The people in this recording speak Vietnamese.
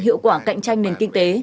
hiệu quả cạnh tranh nền kinh tế